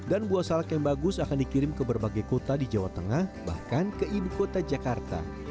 dan buah salak yang bagus akan dikirim ke berbagai kota di jawa tengah bahkan ke ibu kota jakarta